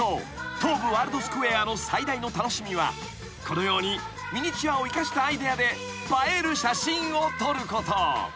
東武ワールドスクウェアの最大の楽しみはこのようにミニチュアを生かしたアイデアで映える写真を撮ること］